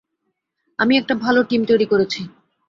আমি একটা ভালো টিম তৈরি করেছি।